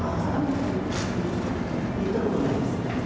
行ったことないです。